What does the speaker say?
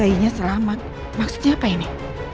bayinya selamat maksudnya apa ini